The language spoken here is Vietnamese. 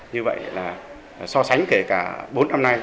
như vậy là so sánh kể cả bốn năm nay